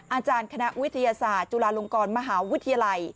อาจารย์คณะวิทยาศาสตร์จุฬาลงกรมหาวิทยาลัย